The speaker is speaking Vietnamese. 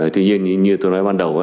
tuy nhiên như tôi nói ban đầu